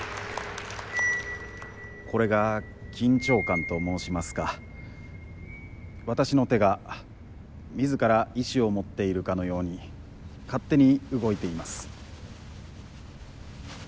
これが緊張感と申しますか私の手が自ら意志を持っているかのように勝手に動いています。